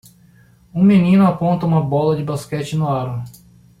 Um menino aponta uma bola de basquete no aro.